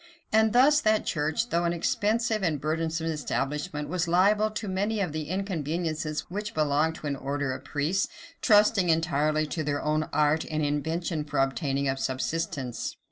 And thus that church, though an expensive and burdensome establishment, was liable to many of the inconveniences which belong to an order of priests, trusting entirely to their own art and invention for obtaining a subsistence.